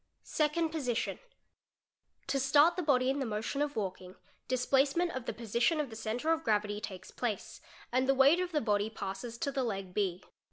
_ Second Position—To start the body in the motion of walking, splacement of the position of the centre of gravity takes place, and the eight of the body passes to the leg B.